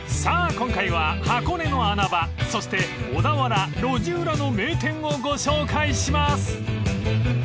今回は箱根の穴場そして小田原路地裏の名店をご紹介します］